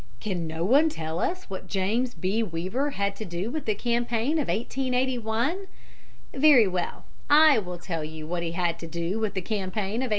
Can no one tell us what James B. Weaver had to do with the campaign of 1881? Very well; I will tell you what he had to do with the campaign of 1881.